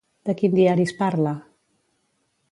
De quin diari es parla?